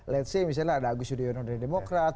let's say misalnya ada agus yudhoyono dari demokrat